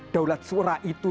daulat suara itu